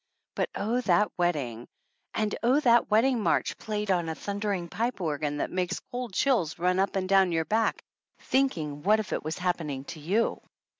But oh, that wedding ! And oh, that wedding march played on a thundering pipe organ that makes cold chills run up and down your back thinking what if it was happening to you